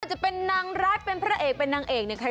จะเป็นนางรักเป็นพระเอกเป็นนางเอกเนี่ยใคร